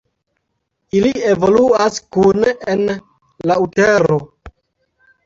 Ili evoluas kune en la utero.